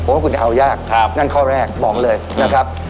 ผมคงจะเอายากครับนั่นข้อแรกบอกเลยนะครับ